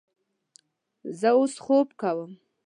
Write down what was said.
زه اوس خوب کوم